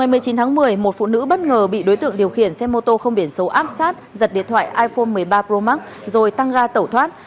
một phụ nữ bất ngờ bị đối tượng điều khiển xe mô tô không biển số áp sát giật điện thoại iphone một mươi ba pro max rồi tăng ra tẩu thoát